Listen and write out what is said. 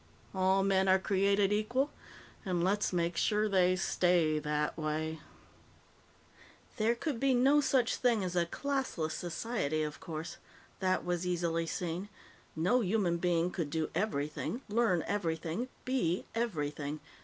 All men are created equal, and let's make sure they stay that way! There could be no such thing as a classless society, of course. That was easily seen. No human being could do everything, learn everything, be everything.